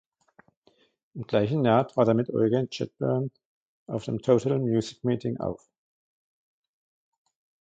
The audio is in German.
Im gleichen Jahr trat er mit Eugene Chadbourne auf dem Total Music Meeting auf.